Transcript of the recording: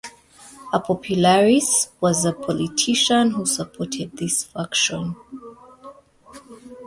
A popularis was a politician who supported this faction.